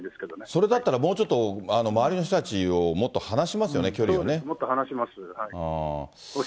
それだったらもうちょっと周りの人たちをもっと離しますよね、もっと離します。